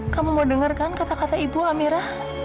kamu mau denger kan kata kata ibu amira